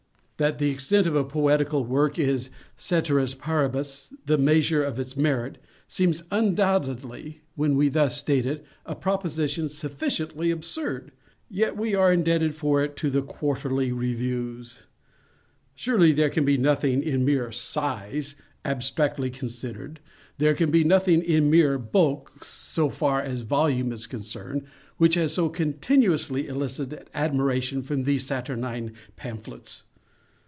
That the extent of a poetical work is, _ceteris paribus, _the measure of its merit, seems undoubtedly, when we thus state it, a proposition sufficiently absurd—yet we are indebted for it to the Quarterly Reviews. Surely there can be nothing in mere _size, _abstractly considered—there can be nothing in mere _bulk, so _far as a volume is concerned, which has so continuously elicited admiration from these saturnine pamphlets!